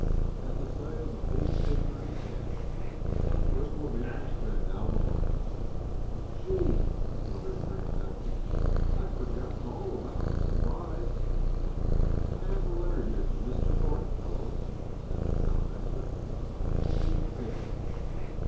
At the sight of the folded paper in his hand a sudden ripple of interest ran down the line. "Gee!" muttered Frank Sanson. "I'd forgotten all about the surprise!" "I have a letter here from Mr. Thornton, fellows," said the scoutmaster, unfolding the paper.